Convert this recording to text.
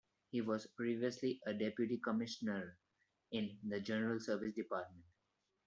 He was previously a deputy commissioner in the general service department.